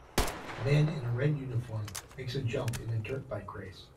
A man in a red uniform makes a jump in a dirt bike race.